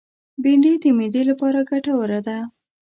بېنډۍ د معدې لپاره ګټوره ده